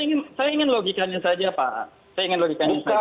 ya saya ingin logikannya saja pak saya ingin logikannya saja